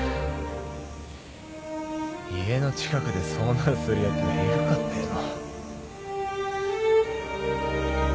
家の近くで遭難するやつがいるかっての。